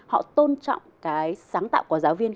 họ tôn trọng cái sáng tạo của giáo viên